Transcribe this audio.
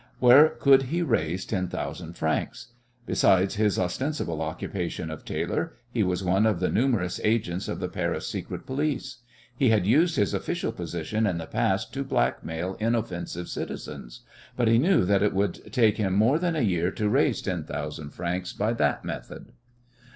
Where could he raise ten thousand francs? Besides his ostensible occupation of tailor he was one of the numerous agents of the Paris secret police. He had used his official position in the past to blackmail inoffensive citizens, but he knew that it would take him more than a year to raise ten thousand francs by that method.